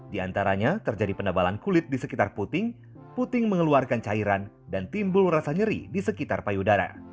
di antaranya terjadi penebalan kulit di sekitar puting puting mengeluarkan cairan dan timbul rasa nyeri di sekitar payudara